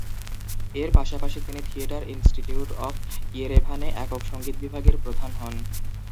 এর পাশাপাশি তিনি থিয়েটার ইনস্টিটিউট অফ ইয়েরেভানে একক সংগীত বিভাগের প্রধান হন।